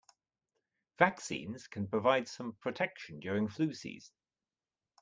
Vaccines can provide some protection during flu season.